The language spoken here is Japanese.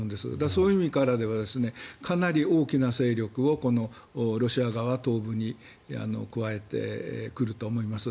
そういう意味からではかなり大きな勢力をロシア側は東部に加えてくると思います。